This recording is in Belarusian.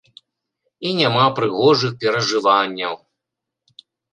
І няма прыгожых перажыванняў.